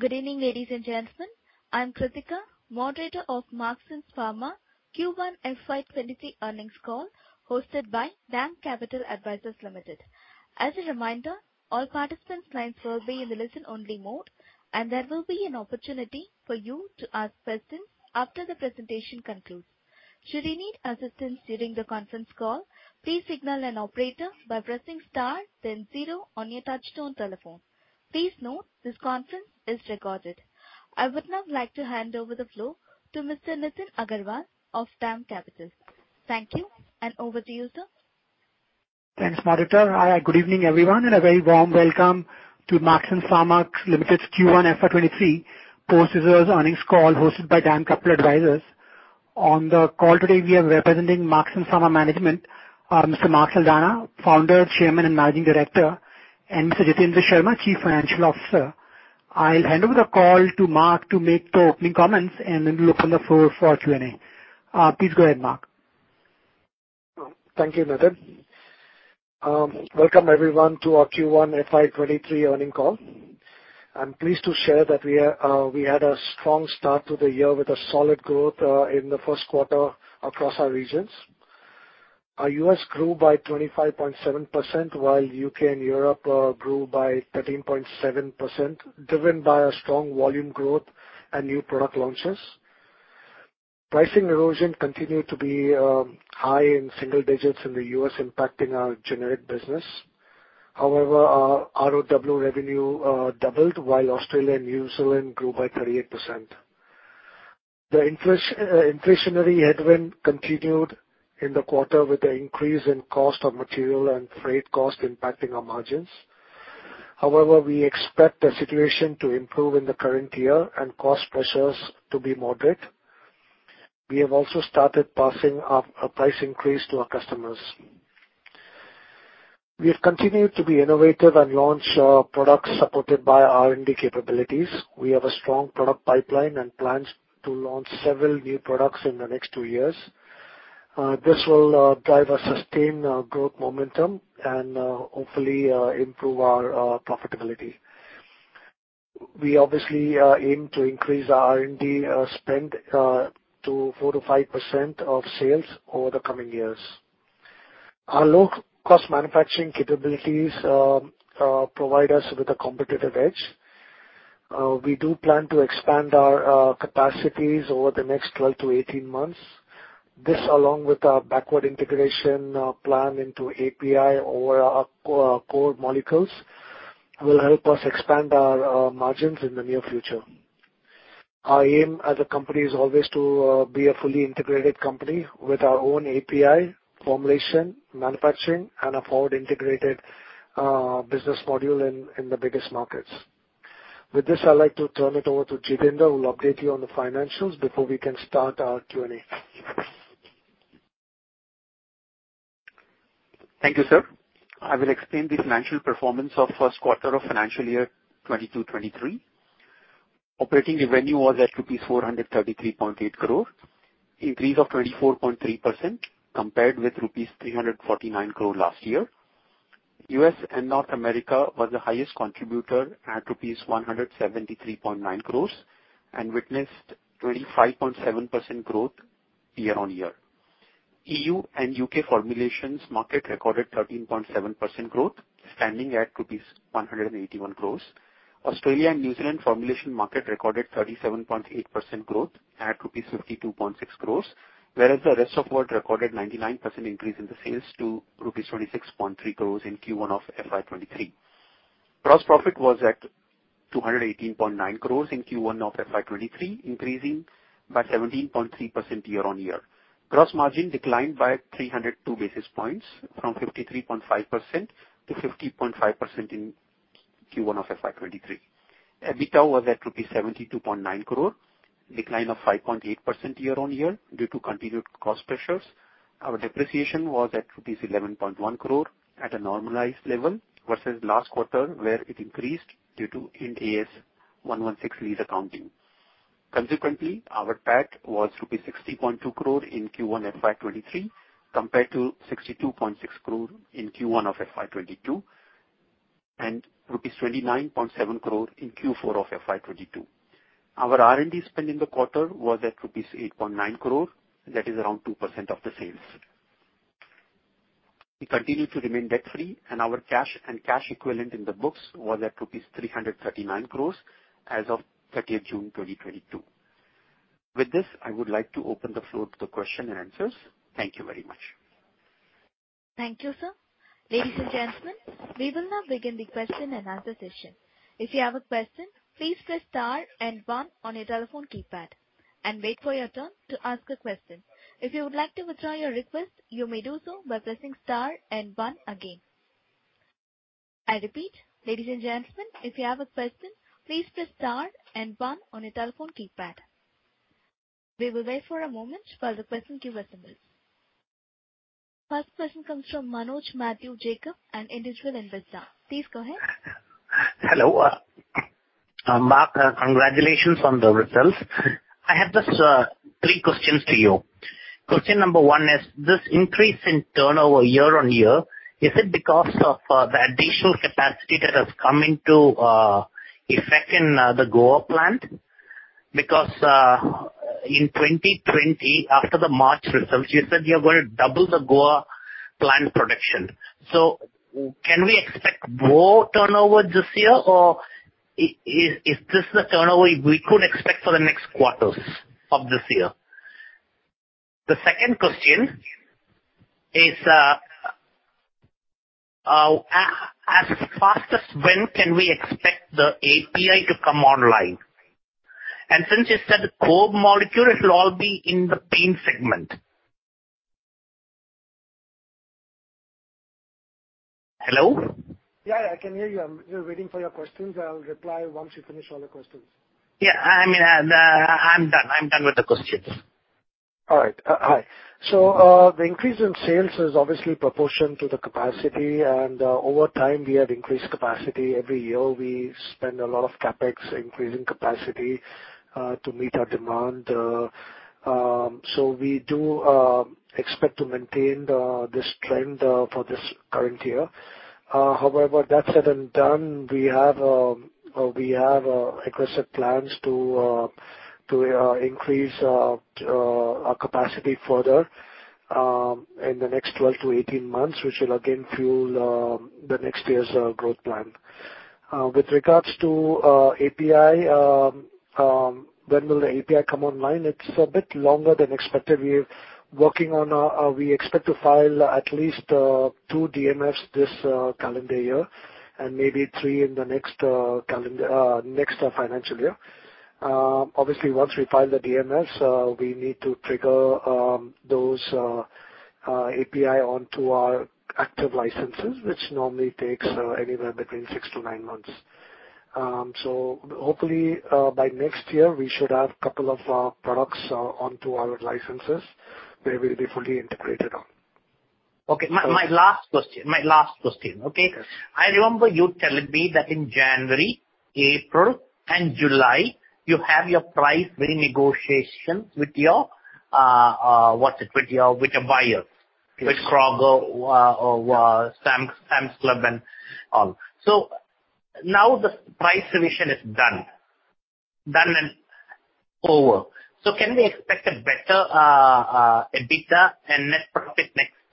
Good evening, ladies and gentlemen. I'm Kritika, moderator of Marksans Pharma Q1 FY 2023 earnings call, hosted by DAM Capital Advisors Limited. As a reminder, all participants' lines will be in listen-only mode, and there will be an opportunity for you to ask questions after the presentation concludes. Should you need assistance during the conference call, please signal an operator by pressing star then zero on your touchtone telephone. Please note this conference is recorded. I would now like to hand over the floor to Mr. Nitin Agarwal of Dam Capital. Thank you, and over to you, sir. Thanks, moderator. Hi, good evening, everyone, and a very warm welcome to Marksans Pharma Limited's Q1 FY 2023 post-results earnings call hosted by DAM Capital Advisors. On the call today we have representing Marksans Pharma management, Mr. Mark Saldanha, Founder, Chairman and Managing Director, and Mr. Jitendra Sharma, Chief Financial Officer. I'll hand over the call to Mark to make the opening comments, and then we'll open the floor for Q&A. Please go ahead, Mark. Thank you, Nitin. Welcome everyone to our Q1 FY 2023 earnings call. I'm pleased to share that we had a strong start to the year with a solid growth in the first quarter across our regions. Our U.S. grew by 25.7%, while U.K. and Europe grew by 13.7%, driven by a strong volume growth and new product launches. Pricing erosion continued to be high in single digits in the U.S., impacting our generic business. However, our ROW revenue doubled while Australia and New Zealand grew by 38%. The inflationary headwind continued in the quarter with an increase in cost of material and freight costs impacting our margins. However, we expect the situation to improve in the current year and cost pressures to be moderate. We have also started passing a price increase to our customers. We have continued to be innovative and launch products supported by R&D capabilities. We have a strong product pipeline and plans to launch several new products in the next two years. This will drive a sustained growth momentum and hopefully improve our profitability. We obviously aim to increase our R&D spend to 4%-5% of sales over the coming years. Our low cost manufacturing capabilities provide us with a competitive edge. We do plan to expand our capacities over the next 12-18 months. This, along with our backward integration plan into API or our core molecules, will help us expand our margins in the near future. Our aim as a company is always to be a fully integrated company with our own API, formulation, manufacturing and a forward integrated business module in the biggest markets. With this, I'd like to turn it over to Jitendra who will update you on the financials before we can start our Q&A. Thank you, sir. I will explain the financial performance of first quarter of financial year 2022-2023. Operating revenue was at rupees 433.8 crore, increase of 24.3% compared with rupees 349 crore last year. U.S and North America was the highest contributor at rupees 173.9 crores and witnessed 25.7% growth year-on-year. EU and U.K. formulations market recorded 13.7% growth, standing at INR 181 crores. Australia and New Zealand formulation market recorded 37.8% growth at rupees 52.6 crores, whereas the Rest of World recorded 99% increase in the sales to rupees 26.3 crore in Q1 of FY 2023. Gross profit was at 218.9 crore in Q1 of FY 2023, increasing by 17.3% year-on-year. Gross margin declined by 302 basis points from 53.5%-50.5% in Q1 of FY 2023. EBITDA was at rupees 72.9 crore, decline of 5.8% year-on-year due to continued cost pressures. Our depreciation was at INR 11.1 crore at a normalized level versus last quarter, where it increased due to Ind AS 116 lease accounting. Consequently, our PAT was rupees 60.2 crore in Q1 FY 2023 compared to 62.6 crore in Q1 of FY 2022 and rupees 29.7 crore in Q4 of FY 2022. Our R&D spend in the quarter was at rupees 8.9 crore, that is around 2% of the sales. We continue to remain debt free and our cash and cash equivalent in the books was at rupees 339 crores as of 30th June 2022. With this, I would like to open the floor to the question and answers. Thank you very much. Thank you, sir. Ladies and gentlemen, we will now begin the question and answer session. If you have a question, please press star and one on your telephone keypad and wait for your turn to ask a question. If you would like to withdraw your request, you may do so by pressing star and one again. I repeat, ladies and gentlemen, if you have a question, please press star and one on your telephone keypad. We will wait for a moment while the question queue assembles. First question comes from Manoj Mathew Jacob of Edelweiss. Please go ahead. Hello. Mark, congratulations on the results. I have just three questions to you. Question number one is, this increase in turnover year-over-year, is it because of the additional capacity that has come into effect in the Goa plant? Because in 2020, after the March results, you said you're gonna double the Goa plant production. Can we expect more turnover this year, or is this the turnover we could expect for the next quarters of this year? The second question is, when can we expect the API to come online? And since you said the core molecule, it'll all be in the pain segment. Hello? Yeah, I can hear you. I'm here waiting for your questions. I'll reply once you finish all the questions. Yeah, I'm done. I'm done with the questions. All right. The increase in sales is obviously proportional to the capacity, and over time, we have increased capacity. Every year we spend a lot of CapEx increasing capacity to meet our demand. We do expect to maintain this trend for this current year. However, that said and done, we have aggressive plans to increase our capacity further in the next 12-18 months, which will again fuel the next year's growth plan. With regards to API, when will the API come online? It's a bit longer than expected. We're working. We expect to file at least two DMFs this calendar year, and maybe three in the next financial year. Obviously, once we file the DMFs, we need to trigger those API onto our active licenses, which normally takes anywhere between six to nine months. Hopefully, by next year, we should have couple of our products onto our licenses where we'll be fully integrated on. Okay. My last question, okay? Yes. I remember you telling me that in January, April, and July, you have your price renegotiation with the buyer. Yes. With Kroger or Sam's Club and all. Now the price revision is done and over. Can we expect a better EBITDA and net profit next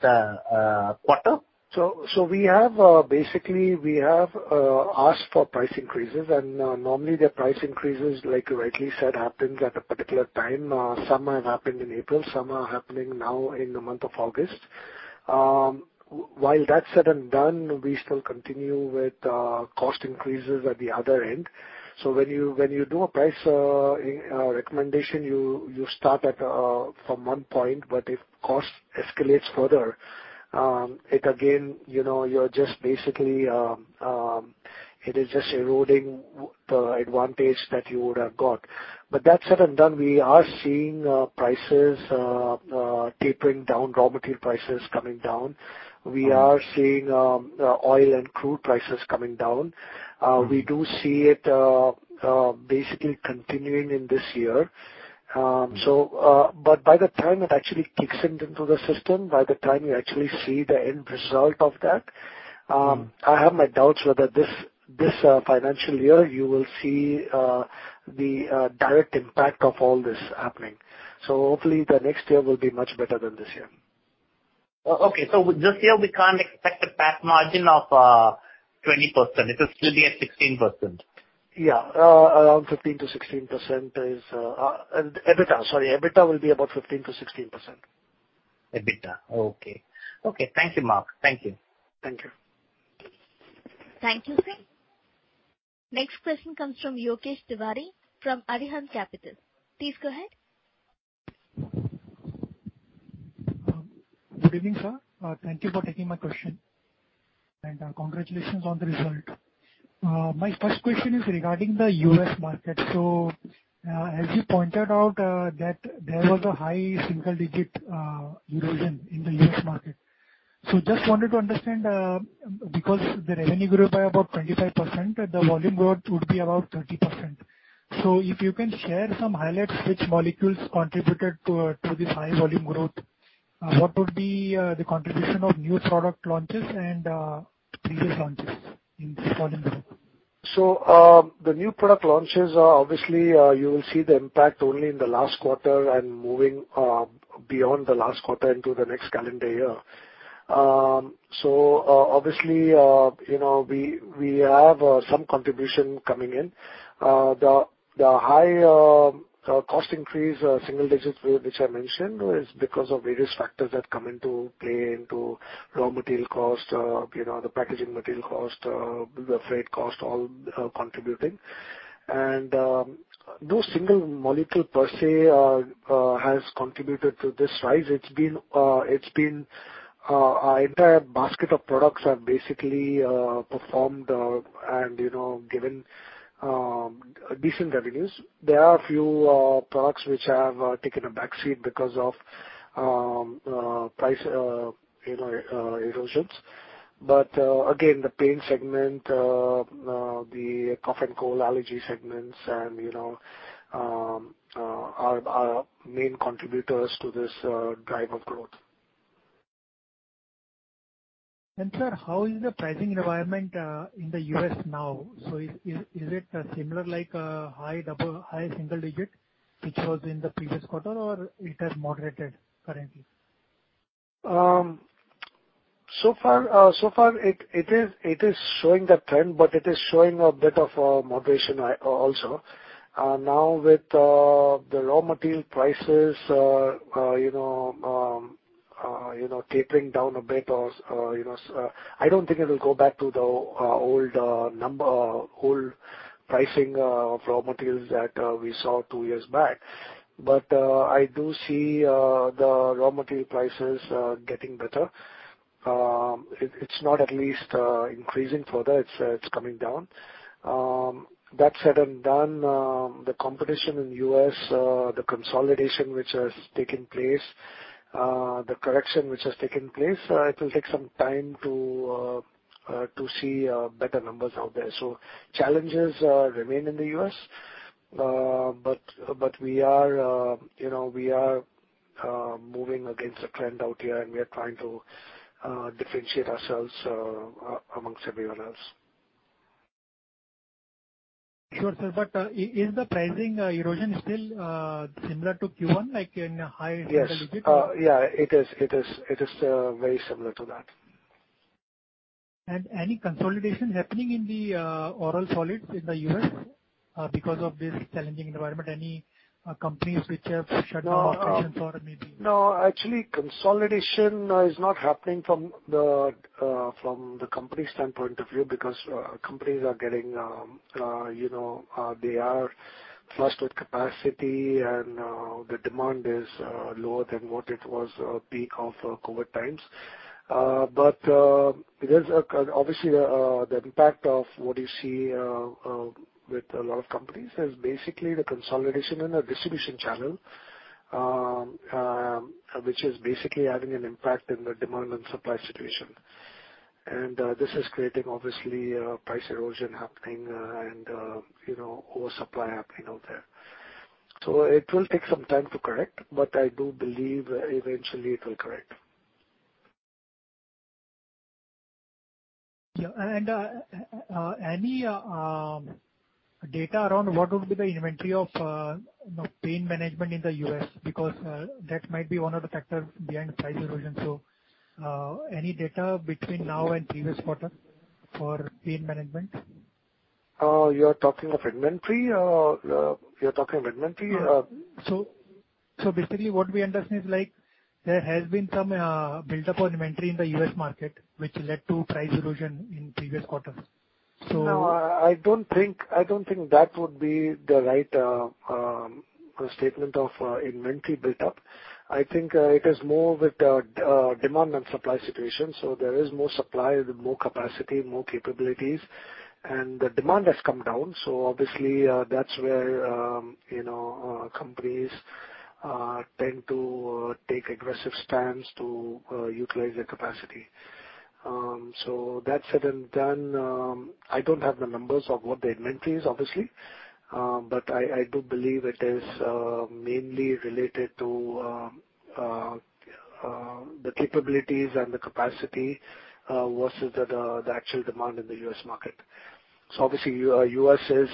quarter? We have basically asked for price increases, and normally the price increases, like you rightly said, happens at a particular time. Some have happened in April, some are happening now in the month of August. While that's said and done, we still continue with cost increases at the other end. When you do a price recommendation, you start from one point, but if cost escalates further, it again, you know, you're just basically it is just eroding the advantage that you would have got. That said and done, we are seeing prices tapering down, raw material prices coming down. We are seeing oil and crude prices coming down. We do see it basically continuing in this year. By the time it actually kicks into the system, by the time you actually see the end result of that, I have my doubts whether this financial year you will see the direct impact of all this happening. Hopefully the next year will be much better than this year. Okay. This year we can't expect a PAT margin of 20%. It'll still be at 16%. Yeah. Around 15%-16% is, and EBITDA will be about 15%-16%. EBITDA. Okay, thank you, Mark. Thank you. Thank you. Thank you, sir. Next question comes from Yogesh Tiwari from Arihant Capital. Please go ahead. Good evening, sir. Thank you for taking my question. Congratulations on the result. My first question is regarding the U.S. market. As you pointed out, that there was a high single-digit erosion in the U.S. Market. Just wanted to understand, because the revenue grew by about 25%, the volume growth would be about 30%. If you can share some highlights which molecules contributed to this high volume growth, what would be the contribution of new product launches and previous launches in this volume growth? The new product launches, obviously, you will see the impact only in the last quarter and moving beyond the last quarter into the next calendar year. Obviously, you know, we have some contribution coming in. The high cost increase, single digits growth which I mentioned is because of various factors that come into play into raw material cost, you know, the packaging material cost, the freight cost, all contributing. No single molecule per se has contributed to this rise. It's been entire basket of products have basically performed and, you know, given decent revenues. There are a few products which have taken a back seat because of price, you know, erosions. Again, the pain segment, the cough and cold allergy segments and, you know, are main contributors to this driven growth. Sir, how is the pricing environment in the U.S. now? Is it similar, like, high single digit, which was in the previous quarter, or it has moderated currently? So far it is showing that trend, but it is showing a bit of moderation also. Now, with the raw material prices, you know, tapering down a bit. I don't think it will go back to the old number, old pricing of raw materials that we saw two years back. I do see the raw material prices getting better. It's not, at least, increasing further. It's coming down. That said and done, the competition in the U.S., the consolidation which has taken place, the correction which has taken place, it will take some time to see better numbers out there. Challenges remain in the U.S. We are, you know, moving against the trend out here, and we are trying to differentiate ourselves among everyone else. Sure, sir. Is the pricing erosion still similar to Q1, like in high single digit? Yes. Yeah, it is very similar to that. Any consolidation happening in the oral solids in the U.S. because of this challenging environment? Any companies which have shut down operations or maybe? No, actually, consolidation is not happening from the company standpoint of view because they are flushed with capacity and the demand is lower than what it was peak of COVID times. Obviously, the impact of what you see with a lot of companies is basically the consolidation in the distribution channel, which is basically having an impact in the demand and supply situation. This is creating, obviously, price erosion happening and you know, oversupply happening out there. It will take some time to correct, but I do believe eventually it will correct. Yeah. Any data around what would be the inventory of, you know, pain management in the U.S.? Because that might be one of the factors behind the price erosion. Any data between now and previous quarter for pain management? You're talking of inventory? Basically what we understand is like there has been some buildup on inventory in the U.S. market which led to price erosion in previous quarters. No, I don't think that would be the right statement of inventory buildup. I think it is more with the demand and supply situation. There is more supply, more capacity, more capabilities, and the demand has come down. Obviously, that's where you know companies tend to take aggressive stance to utilize their capacity. That said and done, I don't have the numbers of what the inventory is, obviously. I do believe it is mainly related to the capabilities and the capacity versus the actual demand in the U.S. market. Obviously, U.S. is,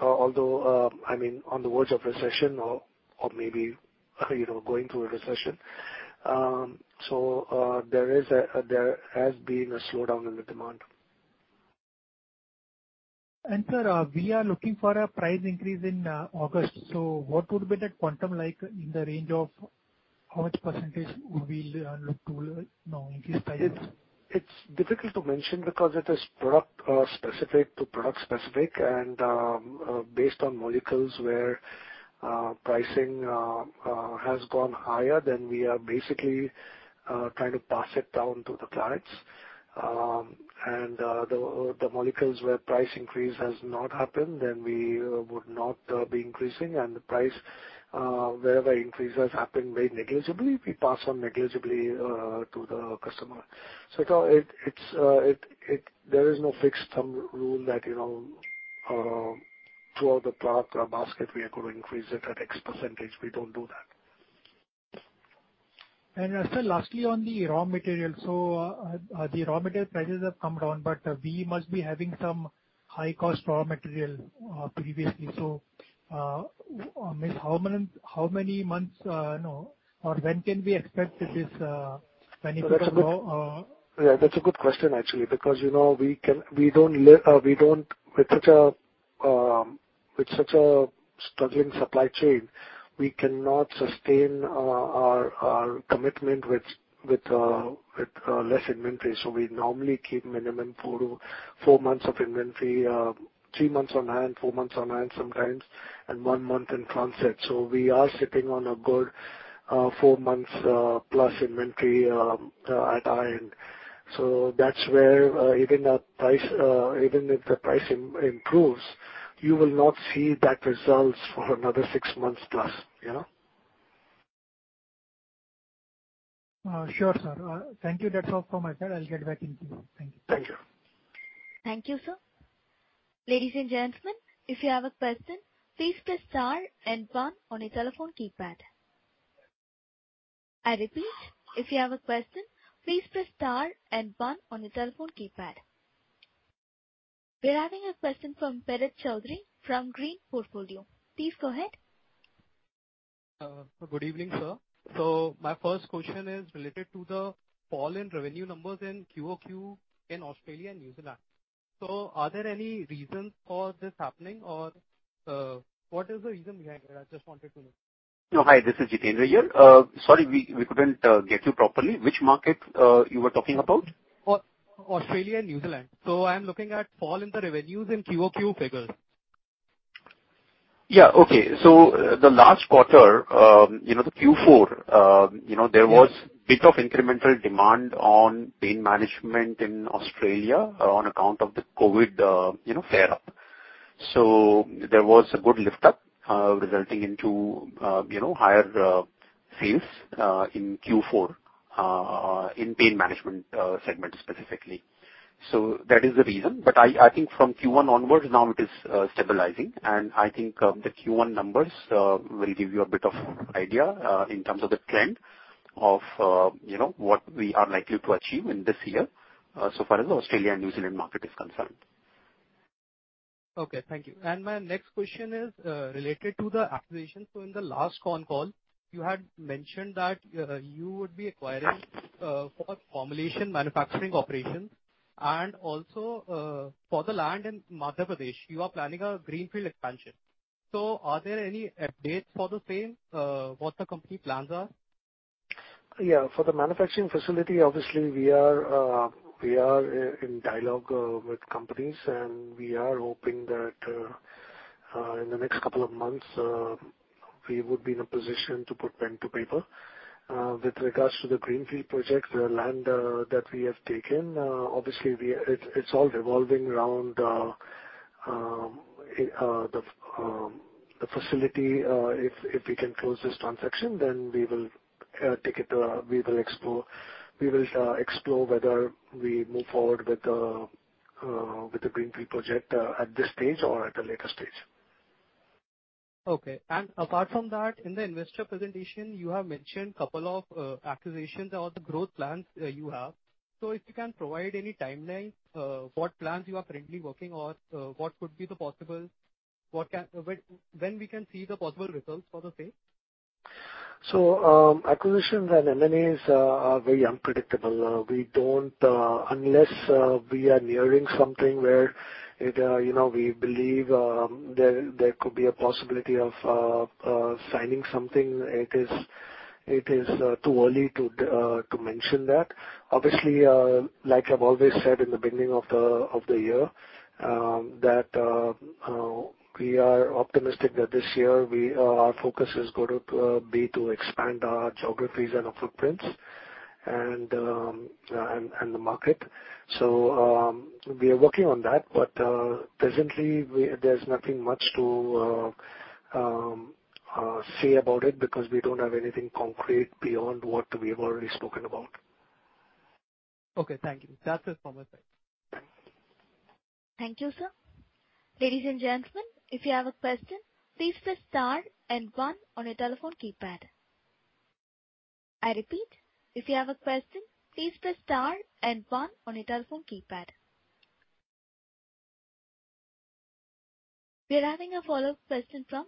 I mean, on the verge of recession or maybe you know going through a recession. There has been a slowdown in the demand. Sir, we are looking for a price increase in August. What would be that quantum like in the range of how much percentage would we look to, you know, increase prices? It's difficult to mention because it is product-specific and based on molecules where pricing has gone higher, then we are basically trying to pass it down to the clients. The molecules where price increase has not happened, then we would not be increasing. Wherever price increase has happened very negligibly, we pass on negligibly to the customer. There is no fixed rule that, you know, throughout the product or basket we are going to increase it at X%. We don't do that. Sir, lastly on the raw material. The raw material prices have come down, but we must be having some high-cost raw material, previously. I mean, how many months, you know, or when can we expect this benefit of raw? Yeah. That's a good question actually, because you know with such a struggling supply chain, we cannot sustain our commitment with less inventory. We normally keep minimum four months of inventory, three months on hand, four months on hand sometimes, and one month in transit. We are sitting on a good four months plus inventory at our end. That's where even if the pricing improves, you will not see that results for another six months plus. You know? Sure, sir. Thank you. That's all from my side. I'll get back in queue. Thank you. Thank you. Thank you, sir. Ladies and gentlemen, if you have a question, please press star and one on your telephone keypad. I repeat, if you have a question, please press star and one on your telephone keypad. We are having a question from Pretit Choudhary from Green Portfolio. Please go ahead. Good evening, sir. My first question is related to the fall in revenue numbers quarter-over-quarter in Australia and New Zealand. Are there any reasons for this happening, or what is the reason behind it? I just wanted to know. No. Hi, this is Jitendra here. Sorry, we couldn't get you properly. Which market you were talking about? Australia and New Zealand. I'm looking at fall in the revenues in QOQ figures. Yeah, okay. The last quarter, you know, the Q4, you know. Yeah. There was a bit of incremental demand on pain management in Australia on account of the COVID, you know, flare up. There was a good lift up, resulting into, you know, higher sales in Q4 in pain management segment specifically. That is the reason. I think from Q1 onwards now it is stabilizing, and I think the Q1 numbers will give you a bit of idea in terms of the trend of, you know, what we are likely to achieve in this year, so far as Australia and New Zealand market is concerned. Okay. Thank you. My next question is related to the acquisition. In the last con call you had mentioned that you would be acquiring for formulation manufacturing operations, and also, for the land in Madhya Pradesh, you are planning a Greenfield expansion. Are there any updates for the same, what the company plans are? Yeah. For the manufacturing facility, obviously we are in dialogue with companies, and we are hoping that in the next couple of months we would be in a position to put pen to paper. With regards to the Greenfield project, the land that we have taken, obviously it's all revolving around the facility. If we can close this transaction, we will explore whether we move forward with the Greenfield project at this stage or at a later stage. Okay. Apart from that, in the investor presentation you have mentioned couple of acquisitions or the growth plans you have. If you can provide any timeline, what plans you are currently working on, when we can see the possible results for the same? Acquisitions and M&As are very unpredictable. Unless we are nearing something where it you know we believe there could be a possibility of signing something, it is too early to mention that. Obviously, like I've always said in the beginning of the year, that we are optimistic that this year our focus is going to be to expand our geographies and our footprints and the market. We are working on that. Presently there's nothing much to say about it because we don't have anything concrete beyond what we have already spoken about. Okay. Thank you. That's it from my side. Thank you, sir. Ladies and gentlemen, if you have a question, please press star and one on your telephone keypad. I repeat, if you have a question, please press star and one on your telephone keypad. We are having a follow-up question from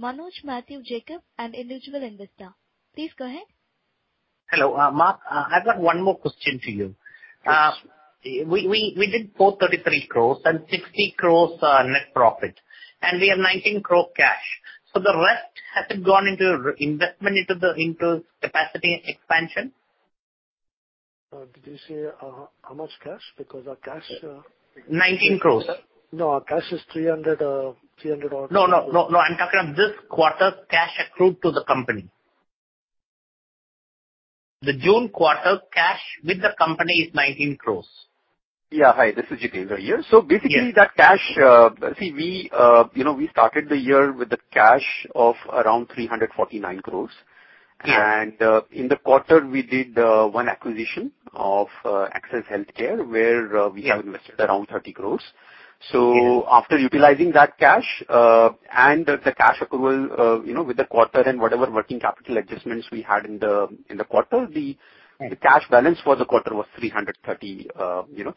Manoj Mathew Jacob, an individual investor. Please go ahead. Hello. Mark, I've got one more question to you. Yes. We did 433 crore and 60 crore net profit, and we have 19 crore cash. The rest hasn't gone into investment into capacity expansion. Did you say how much cash? Because our cash. 19 crores. No, our cash is 300. No, no. I'm talking of this quarter's cash accrued to the company. The June quarter cash with the company is 19 crores. Yeah. Hi, this is Jitendra here. Yes. Basically that cash, you know, we started the year with a cash of around 349 crores. Yeah. In the quarter, we did one acquisition of Access Healthcare. Yeah. Where we have invested around 30 crore. Yeah. After utilizing that cash and the cash approval, you know, with the quarter and whatever working capital adjustments we had in the quarter. Yeah. The cash balance for the quarter was 339 crore, you know.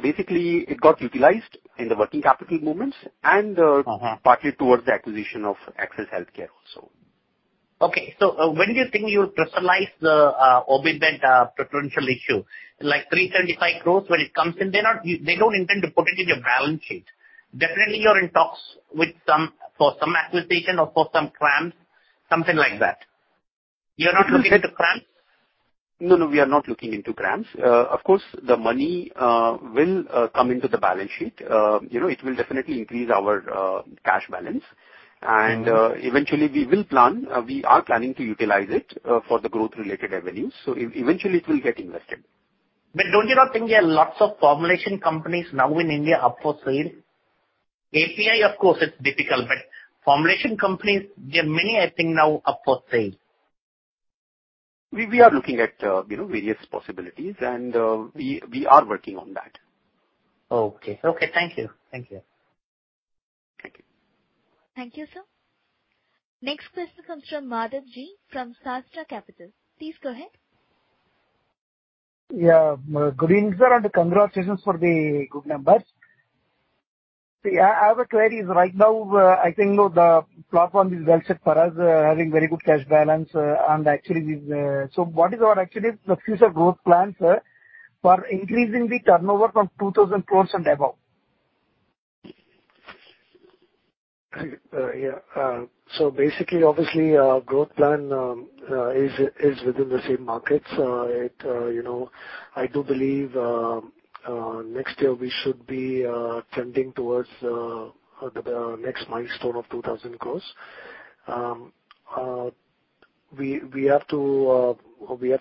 Basically it got utilized in the working capital movements and partly towards the acquisition of Access Healthcare also. Okay. When do you think you'll crystallize the warrants potential issue? Like 375 crores, when it comes in, they don't intend to put it in your balance sheet. Definitely, you're in talks with some for some acquisition or for some CRAMS, something like that. You're not looking into CRAMS? No, no, we are not looking into CRAMS. Of course, the money will come into the balance sheet. You know, it will definitely increase our cash balance. Mm-hmm. Eventually we will plan, we are planning to utilize it for the growth-related revenues. Eventually it will get invested. Don't you not think there are lots of formulation companies now in India up for sale? API, of course, it's difficult, but formulation companies, there are many I think now up for sale. We are looking at, you know, various possibilities and, we are working on that. Okay. Okay, thank you. Thank you. Thank you. Thank you, sir. Next question comes from Madhav Marda from Fidelity International. Please go ahead. Yeah. Good evening, sir, and congratulations for the good numbers. See, I have a query. Right now, I think the platform is well set for us, having very good cash balance. What is our actual future growth plans, sir, for increasing the turnover from 2,000 crores and above? Yeah. Basically, obviously, our growth plan is within the same markets. It, you know, I do believe next year we should be trending towards the next milestone of 2,000 crores. We have to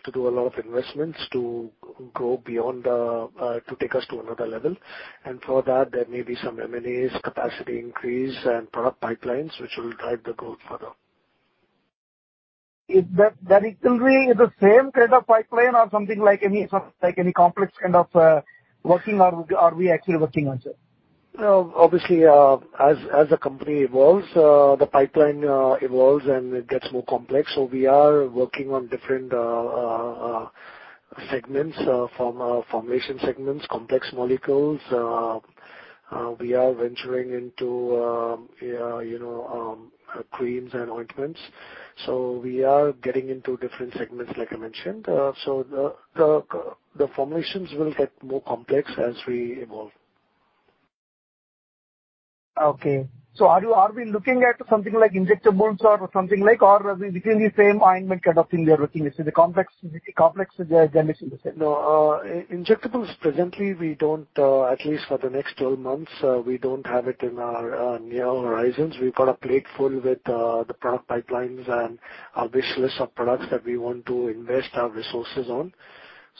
do a lot of investments to go beyond to take us to another level. For that there may be some M&As, capacity increase and product pipelines which will drive the growth further. Is that directly the same kind of pipeline or something like any complex kind of working are we actually working on, sir? Obviously, as a company evolves, the pipeline evolves and it gets more complex. We are working on different formulation segments, complex molecules. We are venturing into, you know, creams and ointments. We are getting into different segments like I mentioned. The formulations will get more complex as we evolve. Are we looking at something like injectables or something like or beyond the same ointment kind of thing we are working, is it a complex generics? No. Injectables presently we don't, at least for the next 12 months, we don't have it in our near horizons. We've got a plate full with the product pipelines and our wish list of products that we want to invest our resources on.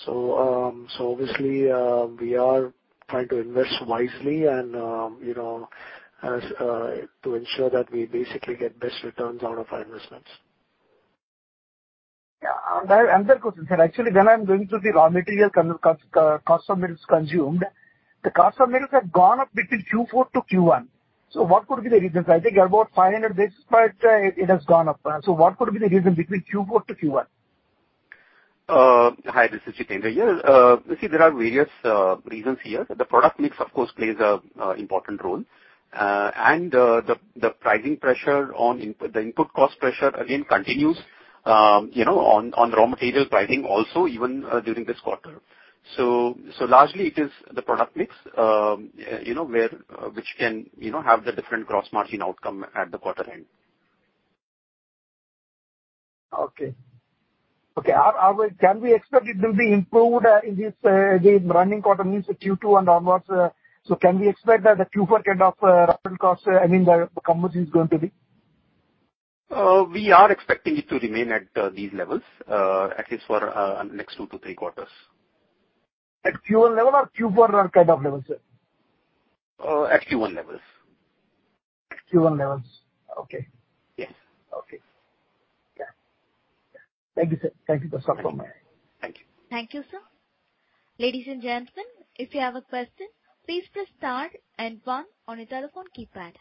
Obviously, we are trying to invest wisely and, you know, as to ensure that we basically get best returns out of our investments. Yeah. Another question, sir. Actually, when I'm going through the raw material cost of goods consumed, the cost of goods have gone up between Q4 to Q1. What could be the reasons? I think about 500 basis points, it has gone up. What could be the reason between Q4 to Q1? Hi, this is Jitendra. You see there are various reasons here. The product mix of course plays a important role. The pricing pressure on input, the input cost pressure again continues, you know, on raw material pricing also even during this quarter. Largely it is the product mix, you know, where which can, you know, have the different gross margin outcome at the quarter end. Okay. Can we expect it will be improved in this, the running quarter means the Q2 and onwards? Can we expect that the Q4 raw material costs, I mean, the commodity is going to be? We are expecting it to remain at these levels at least for next two to three quarters. At Q1 level or Q4 kind of levels, sir? At Q1 levels. Q1 levels. Okay. Yes. Okay. Yeah. Thank you, sir. Thank you for confirming. Thank you. Thank you, sir. Ladies and gentlemen, if you have a question, please press star and one on your telephone keypad.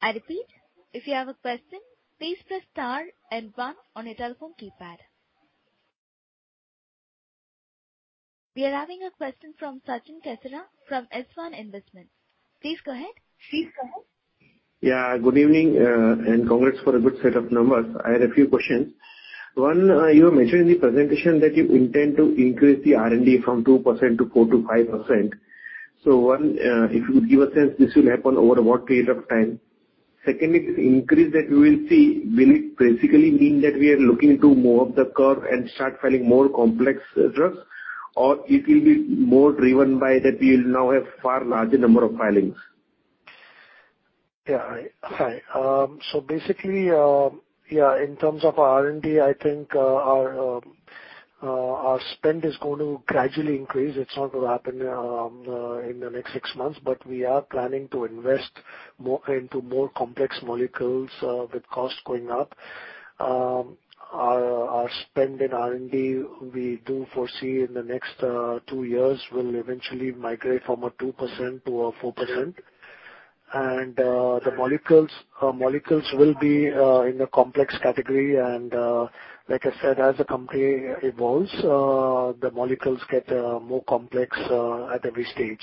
I repeat, if you have a question, please press star and one on your telephone keypad. We are having a question from Sachin Kasera from Swan Investments. Please go ahead. Please go ahead. Yeah, good evening. And congrats for a good set of numbers. I had a few questions. One, you mentioned in the presentation that you intend to increase the R&D from 2% to 4%-5%. One, if you could give a sense, this will happen over what period of time? Secondly, the increase that we will see, will it basically mean that we are looking to move the curve and start filing more complex drugs? Or it will be more driven by that we'll now have far larger number of filings? Yeah. Hi. So basically, in terms of R&D, I think our spend is going to gradually increase. It's not gonna happen in the next six months, but we are planning to invest more into more complex molecules, with cost going up. Our spend in R&D, we do foresee in the next two years will eventually migrate from 2%-4%. The molecules will be in the complex category. Like I said, as the company evolves, the molecules get more complex at every stage.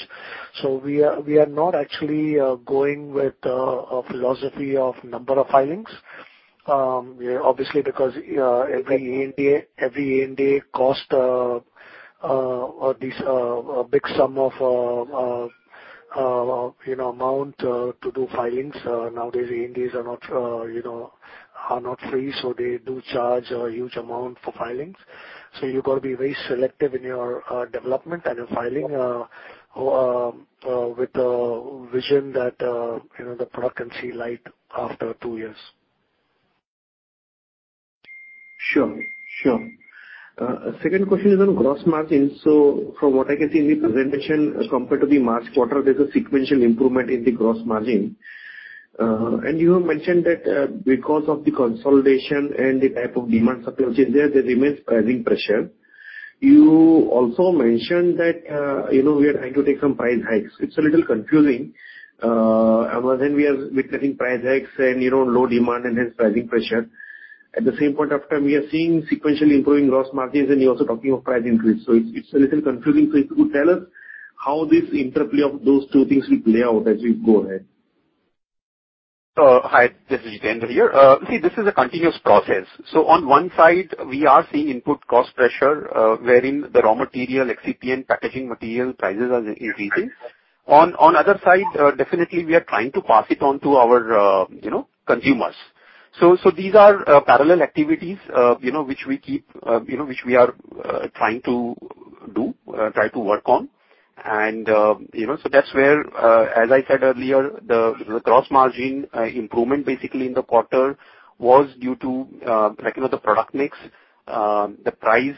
We are not actually going with a philosophy of number of filings, obviously, because every ANDA cost a big sum of you know amount to do filings. Nowadays ANDAs are not free, so they do charge a huge amount for filings. You got to be very selective in your development and your filing with the vision that you know the product can see light after two years. Sure, sure. Second question is on gross margin. From what I can see in the presentation, compared to the March quarter, there's a sequential improvement in the gross margin. You mentioned that, because of the consolidation and the type of demand supply which is there remains pricing pressure. You also mentioned that, you know, we are trying to take some price hikes. It's a little confusing. I mean, when we are taking price hikes and, you know, low demand and there's pricing pressure? At the same point of time, we are seeing sequentially improving gross margins and you're also talking of price increase. It's a little confusing. If you could tell us how this interplay of those two things will play out as we go ahead? Hi. This is Jitendra here. See, this is a continuous process. On one side we are seeing input cost pressure, wherein the raw material, excipient, packaging material prices are increasing. On other side, definitely we are trying to pass it on to our, you know, consumers. These are parallel activities, you know, which we are trying to work on. You know, that's where, as I said earlier, the gross margin improvement basically in the quarter was due to, like, you know, the product mix, the price,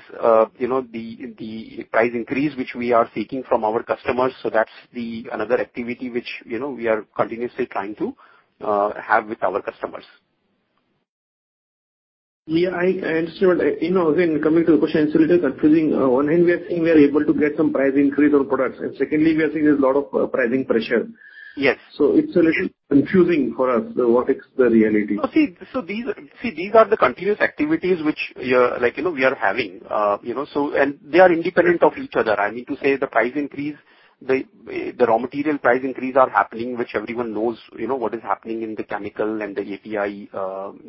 you know, the price increase, which we are seeking from our customers. That's another activity which, you know, we are continuously trying to have with our customers. Yeah, I understand. You know, again, coming to the question, it's a little confusing. On one hand we are seeing we are able to get some price increase on products, and secondly we are seeing there's a lot of pricing pressure. Yes. It's a little confusing for us, what is the reality. No, see, these are the continuous activities which you're like, you know, we are having. They are independent of each other. I mean to say the price increase, the raw material price increase are happening, which everyone knows, you know, what is happening in the chemical and the API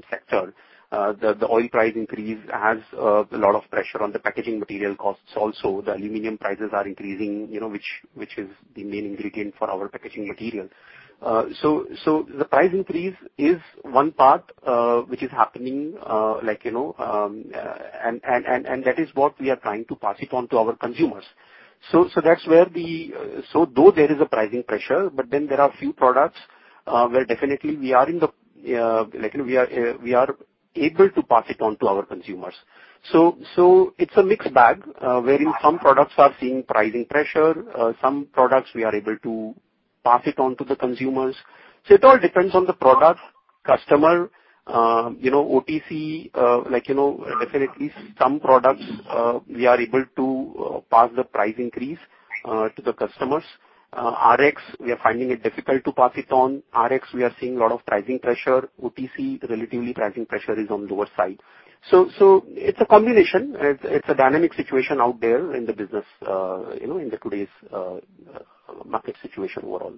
sector. The oil price increase has a lot of pressure on the packaging material costs also. The aluminum prices are increasing, you know, which is the main ingredient for our packaging material. The price increase is one part, which is happening, like, you know, and that is what we are trying to pass it on to our consumers. That's where the. Though there is a pricing pressure, but then there are few products where definitely we are able to pass it on to our consumers. It's a mixed bag, wherein some products are seeing pricing pressure, some products we are able to pass it on to the consumers. It all depends on the product, customer, you know, OTC, like, you know, definitely some products, we are able to pass the price increase to the customers. Rx, we are finding it difficult to pass it on. Rx, we are seeing a lot of pricing pressure. OTC, relatively pricing pressure is on lower side. It's a combination. It's a dynamic situation out there in the business, you know, in today's market situation overall.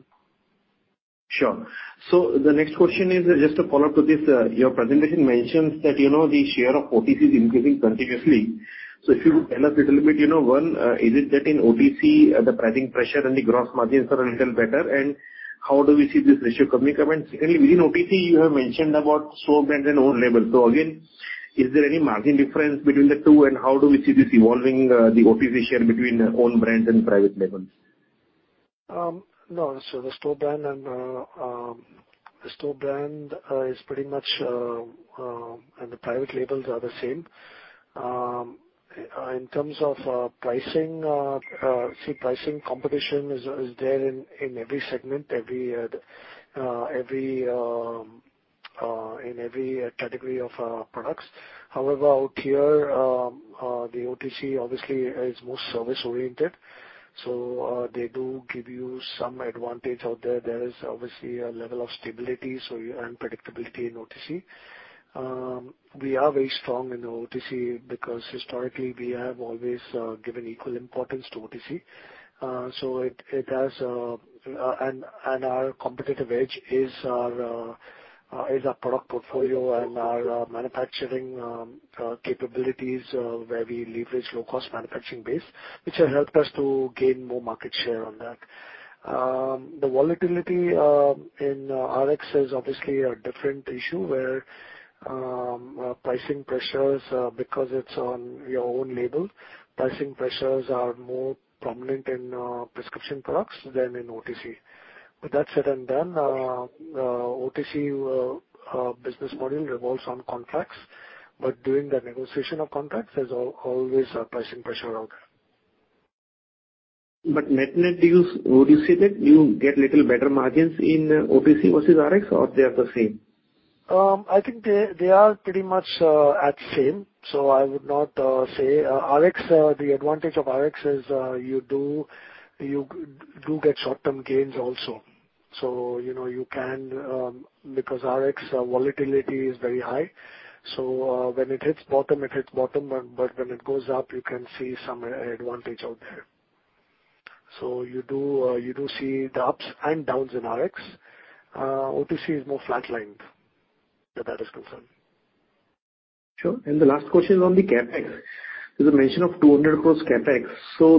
Sure. The next question is just a follow-up to this. Your presentation mentions that, you know, the share of OTC is increasing continuously. If you could tell us a little bit, you know, one, is it that in OTC, the pricing pressure and the gross margins are a little better, and how do we see this ratio coming up? Secondly, within OTC you have mentioned about store brands and own labels. Again, is there any margin difference between the two and how do we see this evolving, the OTC share between own brands and private labels? No. The store brand and the private labels are the same. In terms of pricing competition is there in every segment, every category of products. However, out here, the OTC obviously is more service-oriented, so they do give you some advantage out there. There is obviously a level of stability and predictability in OTC. We are very strong in the OTC because historically we have always given equal importance to OTC. It has. Our competitive edge is our product portfolio and our manufacturing capabilities, where we leverage low cost manufacturing base, which has helped us to gain more market share on that. The volatility in Rx is obviously a different issue, where pricing pressures, because it's on your own label, pricing pressures are more prominent in prescription products than in OTC. With that said and done, OTC business model revolves on contracts, but during the negotiation of contracts, there's always a pricing pressure out there. Net-net, would you say that you get little better margins in OTC versus Rx or they are the same? I think they are pretty much at same, so I would not say. Rx, the advantage of Rx is, you do get short-term gains also. You know, you can, because Rx volatility is very high, so when it hits bottom, it hits bottom, but when it goes up, you can see some advantage out there. You do see the ups and downs in Rx. OTC is more flatlined where that is concerned. Sure. The last question is on the CapEx. There's a mention of 200 crores CapEx.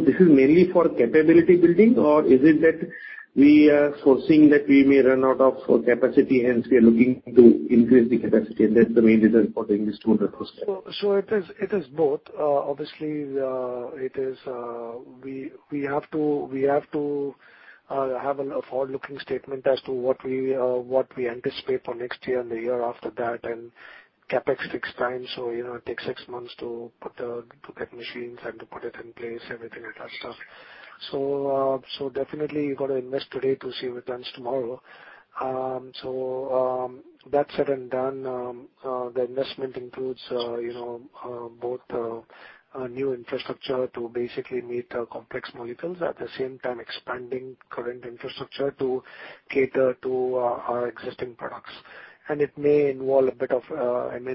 This is mainly for capability building. We are foreseeing that we may run out of capacity, hence we are looking to increase the capacity, and that's the main reason for the investment. It is both. Obviously, we have to have a forward-looking statement as to what we anticipate for next year and the year after that, and CapEx takes time. You know, it takes six months to get machines and to put it in place, everything and that stuff. Definitely you got to invest today to see returns tomorrow. That said and done, the investment includes you know, both new infrastructure to basically meet complex molecules. At the same time, expanding current infrastructure to cater to our existing products. It may involve a bit of M&A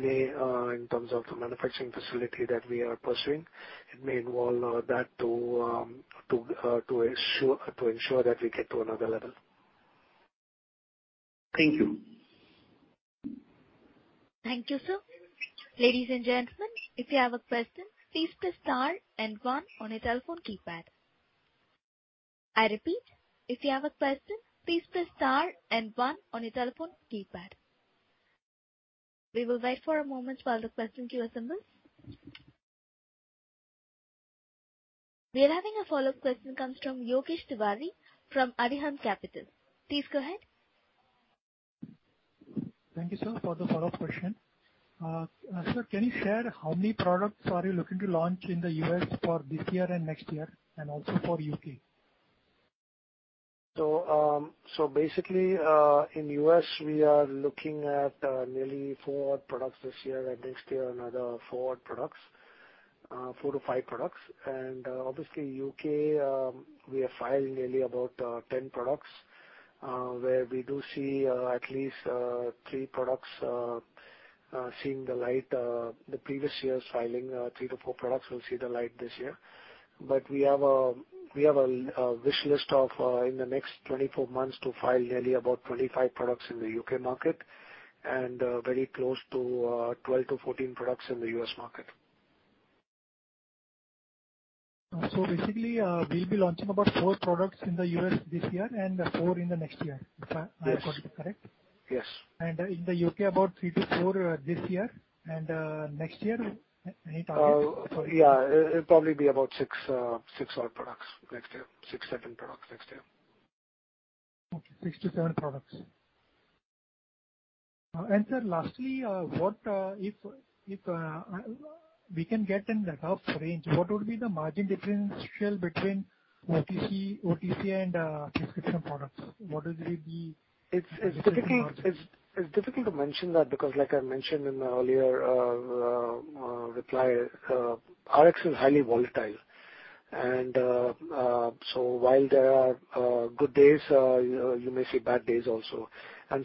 in terms of the manufacturing facility that we are pursuing. It may involve that to ensure that we get to another level. Thank you. Thank you, sir. Ladies and gentlemen, if you have a question, please press star and one on your telephone keypad. I repeat, if you have a question, please press star and one on your telephone keypad. We will wait for a moment while the question queue assembles. We are having a follow-up question, comes from Yogesh Tiwari from Arihant Capital. Please go ahead. Thank you, sir, for the follow-up question. Sir, can you share how many products are you looking to launch in the U.S. for this year and next year, and also for U.K.? Basically, in the U.S., we are looking at nearly four products this year and next year, another four products, four to five products. Obviously, in the U.K., we have filed nearly about 10 products where we do see at least three products seeing the light, the previous year's filing, three to four products will see the light this year. We have a wish list of in the next 24 months to file nearly about 25 products in the U.K. market and very close to 12-14 products in the U.S. market. Basically, we'll be launching about four products in the U.S. this year and four in the next year. Yes. If I got it correct? Yes. In the UK, about three to four this year. Next year, any target? Sorry. Yeah. It'll probably be about six odd products next year. Six, seven products next year. Okay. six to seven products. Sir, lastly, what if we can get in the rough range, what would be the margin differential between OTC and prescription products? What will be the. It's difficult to mention that because like I mentioned in my earlier reply, Rx is highly volatile. So while there are good days, you know, you may see bad days also.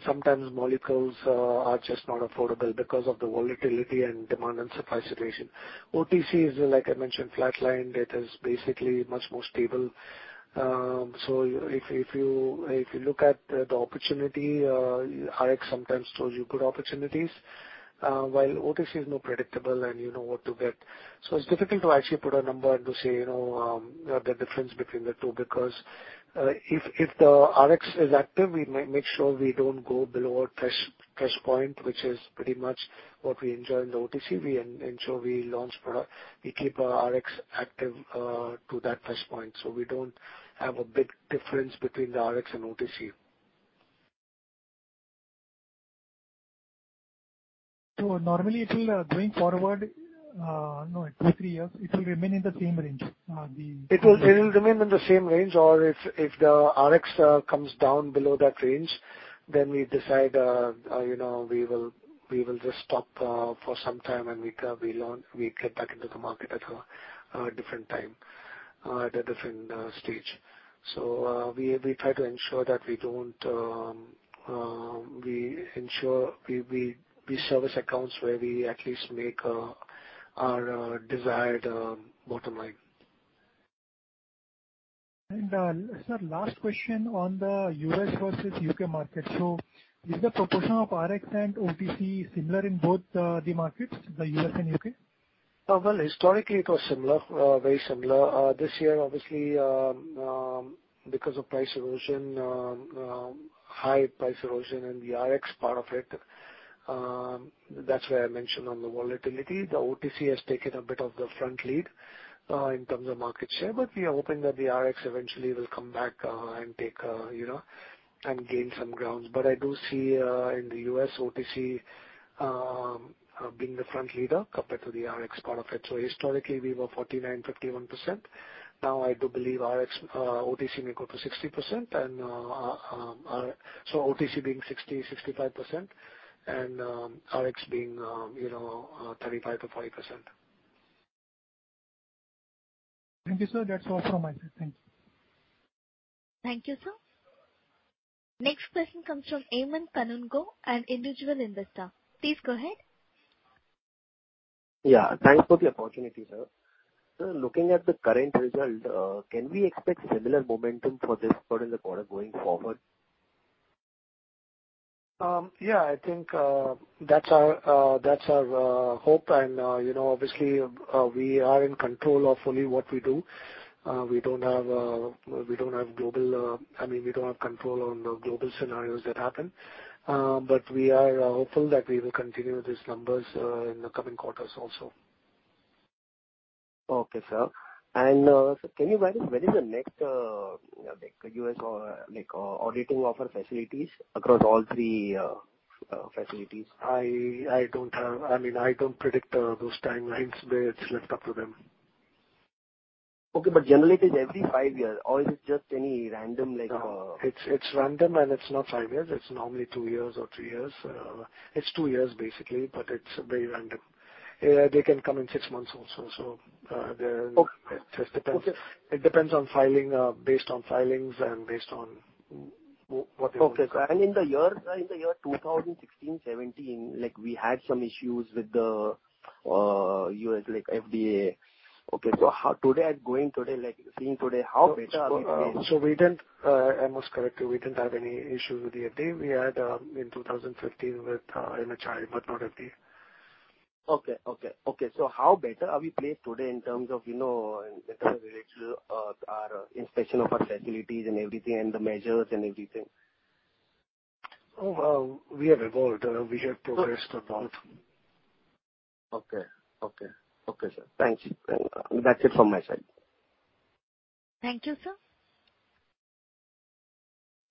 Sometimes molecules are just not affordable because of the volatility and demand and supply situation. OTC is, like I mentioned, flatlined. It is basically much more stable. If you look at the opportunity, Rx sometimes shows you good opportunities while OTC is more predictable and you know what to get. It's difficult to actually put a number and to say, you know, the difference between the two, because if the Rx is active, we make sure we don't go below a threshold point, which is pretty much what we enjoy in the OTC. We ensure we launch product. We keep our Rx active, to that threshold point, so we don't have a big difference between the Rx and OTC. Normally it will, going forward, you know, in two to three years, it will remain in the same range. It will remain in the same range, or if the Rx comes down below that range, then we decide, you know, we will just stop for some time and we get back into the market at a different time at a different stage. We try to ensure that we don't, we ensure we service accounts where we at least make our desired bottom line. Sir, last question on the U.S. versus U.K. market. Is the proportion of Rx and OTC similar in both, the markets, the U.S. and U.K.? Well, historically, it was similar, very similar. This year, obviously, because of price erosion, high price erosion in the Rx part of it, that's why I mentioned on the volatility. The OTC has taken a bit of the front lead, in terms of market share, but we are hoping that the Rx eventually will come back, and take, you know, and gain some grounds. I do see, in the U.S., OTC, being the front leader compared to the Rx part of it. Historically, we were 49%-51%. Now I do believe Rx, OTC may go to 60% and, so OTC being 60%-65% and, Rx being, you know, 35%-40%. Thank you, sir. That's all from my side. Thank you. Thank you, sir. Next question comes from Aman Kanungo, an individual investor. Please go ahead. Yeah. Thanks for the opportunity, sir. Sir, looking at the current result, can we expect similar momentum for this current quarter going forward? Yeah, I think that's our hope. You know, obviously, we are in control of only what we do. I mean, we don't have control on the global scenarios that happen. We are hopeful that we will continue these numbers in the coming quarters also. Okay, sir. Can you guide when is the next, like, U.S. or, like, auditing of our facilities across all three facilities? I mean, I don't predict those timelines. It's left up to them. Okay. Generally it is every five years or is it just any random, like? No, it's random and it's not five years. It's normally two years or three years. It's two years basically, but it's very random. Yeah, they can come in six months also. Okay. It just depends. Okay. It depends on filing, based on filings and based on what they. Okay, sir. In the year 2016-2017, like, we had some issues with the U.S. FDA. Okay. Today, going today, like, seeing today, how better are we placed? I must correct you, we didn't have any issues with the FDA. We had in 2015 with MHRA, but not FDA. Okay. How better are we placed today in terms of, you know, in terms of related to our inspection of our facilities and everything and the measures and everything? Oh, well, we have evolved. We have progressed a lot. Okay, sir. Thanks. That's it from my side. Thank you, sir.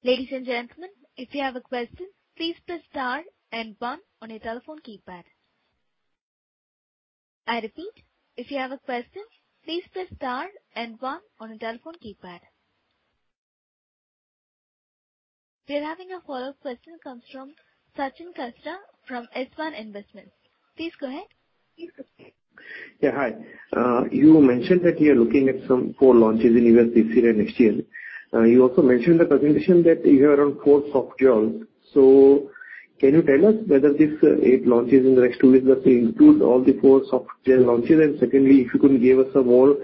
Ladies and gentlemen, if you have a question, please press star and one on your telephone keypad. I repeat, if you have a question, please press star and one on your telephone keypad. We are having a follow-up question comes from Sachin Kasera from Swan Investments. Please go ahead. Yeah. Hi. You mentioned that you are looking at some core launches in either this year or next year. You also mentioned the presentation that you have around four softgels. Can you tell us whether these eight launches in the next two years are to include all the four softgel launches? Secondly, if you can give us some more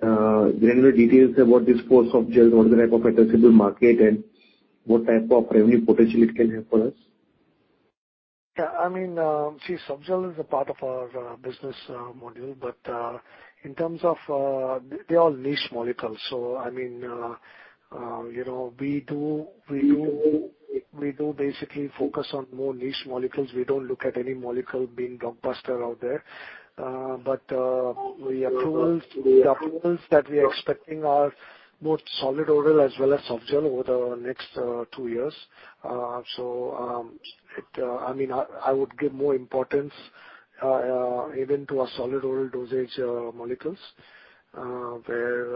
granular details about these four softgels, what the type of addressable market and what type of revenue potential it can have for us? Yeah. I mean, see, softgel is a part of our business model, but in terms of, they're all niche molecules. I mean, you know, we basically focus on more niche molecules. We don't look at any molecule being blockbuster out there. The approvals that we are expecting are more solid oral as well as softgel over the next two years. I would give more importance even to our solid oral dosage molecules where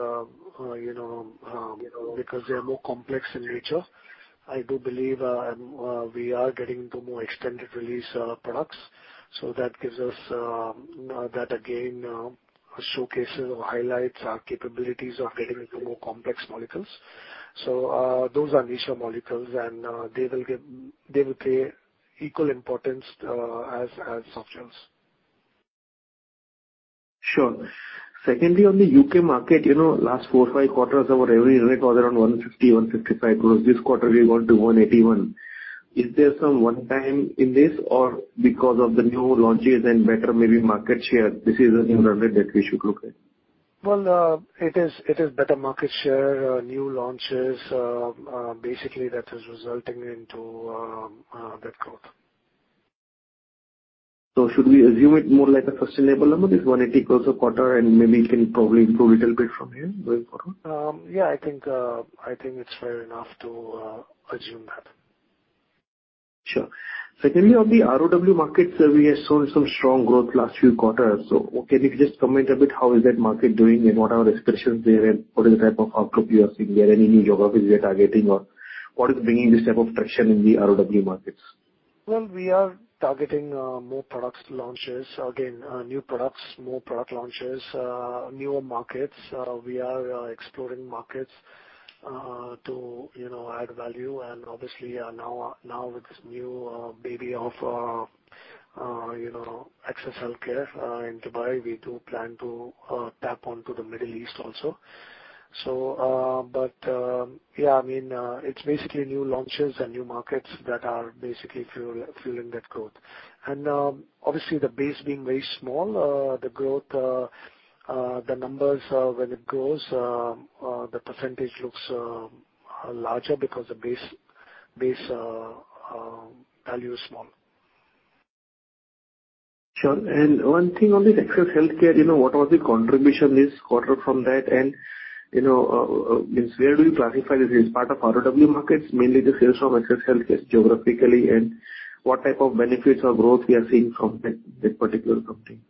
you know, because they are more complex in nature. I do believe we are getting into more extended release products, so that gives us that again showcases or highlights our capabilities of getting into more complex molecules. Those are niche molecules and they will pay equal importance as softgels. Sure. Secondly, on the U.K. market, you know, last four, five quarters, our revenue rate was around 150 crores, 155 crores. This quarter we went to 181 crores. Is there some one time in this or because of the new launches and better maybe market share, this is a new number that we should look at? Well, it is better market share, new launches, basically that is resulting into that growth. Should we assume it more like a sustainable number, this 180 crores across the quarter, and maybe it can probably improve little bit from here going forward? Yeah, I think it's fair enough to assume that. Sure. Secondly, on the ROW markets, we have seen some strong growth last few quarters. Can you just comment a bit how is that market doing and what are our registrations there, and what is the type of outlook you are seeing there? Any new geographies we are targeting or what is bringing this type of traction in the ROW markets? Well, we are targeting more product launches. Again, new products, more product launches, newer markets. We are exploring markets to, you know, add value. Obviously, now with this new baby, you know, Access Healthcare in Dubai, we do plan to tap into the Middle East also. But yeah. I mean, it's basically new launches and new markets that are basically fueling that growth. Obviously the base being very small, the growth, the numbers, when it grows, the percentage looks larger because the base value is small. Sure. One thing on this Access Healthcare, you know, what was the contribution this quarter from that? You know, I mean, where do you classify this? Is this part of ROW markets, mainly the sales from Access Healthcare geographically, and what type of benefits or growth we are seeing from that particular company?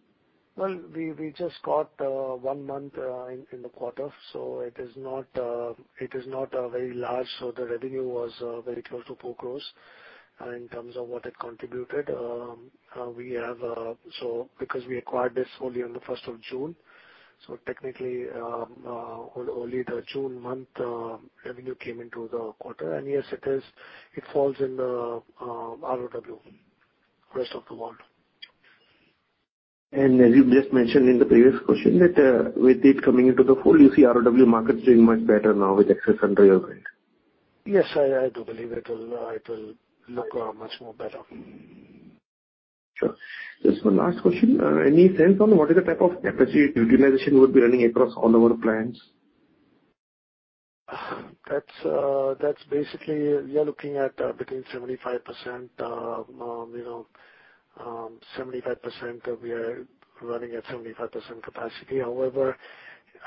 Well, we just got one month in the quarter, so it is not very large. The revenue was very close to 4 crores in terms of what it contributed. Because we acquired this only on the first of June, technically only the June month revenue came into the quarter. Yes, it falls in ROW, rest of the world. As you just mentioned in the previous question, that with it coming into the fold, you see ROW market doing much better now with Access under your brand. Yes, I do believe it'll look much more better. Sure. Just one last question. Any sense on what is the type of capacity utilization would be running across all our plants? That's basically we are running at 75% capacity. However,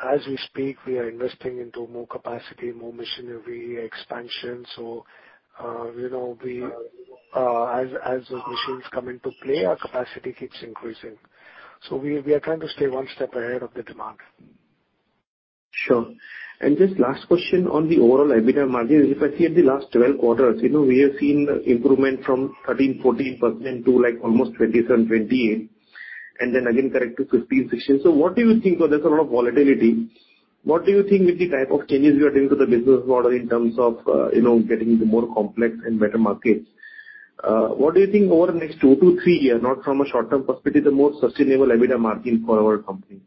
as we speak, we are investing into more capacity, more machinery expansion. You know, as the machines come into play, our capacity keeps increasing. We are trying to stay one step ahead of the demand. Sure. Just last question on the overall EBITDA margin. If I see in the last 12 quarters, you know, we have seen improvement from 13%-14% to like almost 27-28%, and then again correct to 15%-16%. What do you think of this? A lot of volatility? What do you think with the type of changes you are doing to the business model in terms of, you know, getting into more complex and better markets? What do you think over the next two to three years, not from a short-term perspective, the more sustainable EBITDA margin for our company?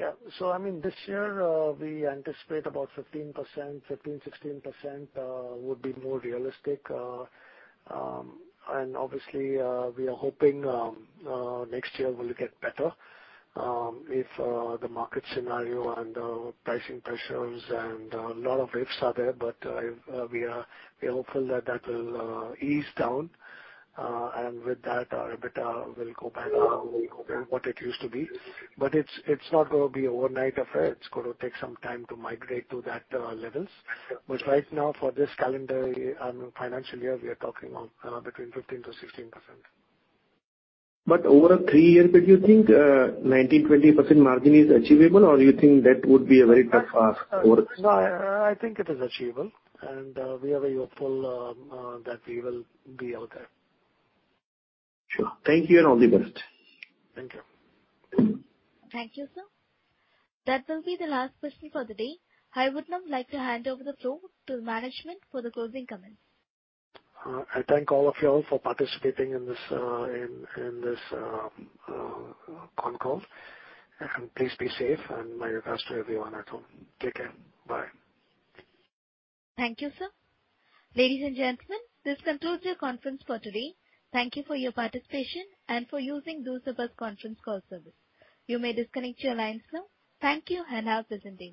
Yeah. I mean, this year, we anticipate about 15%. 15%, 16% would be more realistic. Obviously, we are hoping next year will get better if the market scenario and pricing pressures and a lot of risks are there, but we are hopeful that will ease down. With that our EBITDA will go back to what it used to be. It's not gonna be an overnight affair. It's gonna take some time to migrate to that levels. Right now for this calendar year and financial year, we are talking of, you know, between 15%-16%. Over a three years, did you think 19%-20% margin is achievable, or you think that would be a very tough ask for? No, I think it is achievable, and we are very hopeful that we will be out there. Sure. Thank you, and all the best. Thank you. Thank you, sir. That will be the last question for the day. I would now like to hand over the floor to management for the closing comments. I thank all of you all for participating in this con call. Please be safe. My request to everyone at home. Take care. Bye. Thank you, sir. Ladies and gentlemen, this concludes your conference for today. Thank you for your participation and for using this conference call service. You may disconnect your lines now. Thank you, and have a pleasant day.